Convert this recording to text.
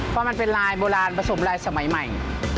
เพราะมันเป็นลายโบราณผสมลายสมัยใหม่